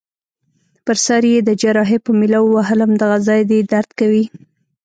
پر سر يي د جراحۍ په میله ووهلم: دغه ځای دي درد کوي؟